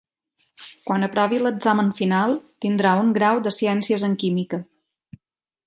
Quan aprovi l'examen final tindrà un grau de ciències en química.